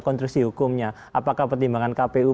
konstruksi hukumnya apakah pertimbangan kpu